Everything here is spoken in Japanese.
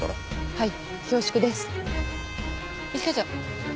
はい。